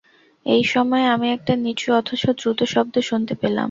এই সময়ে আমি একটা নিচু অথচ দ্রুত শব্দ শুনতে পেলাম।